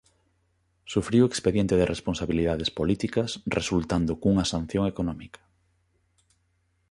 Sufriu expediente de responsabilidades políticas resultando cunha sanción económica.